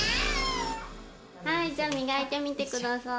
はいじゃあみがいてみてください。